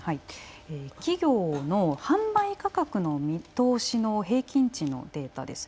企業の販売価格の見通しの平均価格のデータです。